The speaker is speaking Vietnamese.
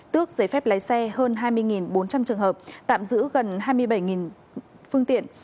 tước giấy phép lái xe hơn hai mươi bốn trăm linh trường hợp tạm giữ gần hai mươi bảy phương tiện